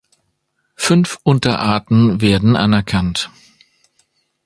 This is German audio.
Fünf Unterarten werden anerkannt.